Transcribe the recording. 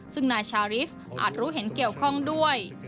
ซึ่งนายชาริสอาจรู้เห็นเกี่ยวข้องด้วย